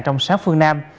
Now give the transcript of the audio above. trong sát phương nam